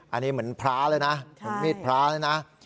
อันนี้เหมือนพระเลยนะเหมือนมีดพระเลยนะ